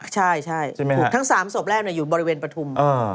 ใช่ถูกทั้ง๓ศพแรกอยู่บริเวณปฐุม